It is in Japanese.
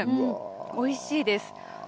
おいしいです。